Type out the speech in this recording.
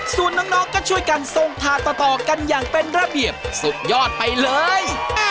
ส่วนน้องก็ช่วยกันทรงถาดต่อกันอย่างเป็นระเบียบสุดยอดไปเลย